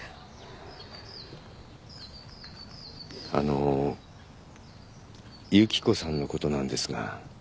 あの雪子さんのことなんですが。